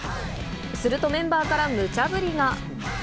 するとメンバーからむちゃ振りが。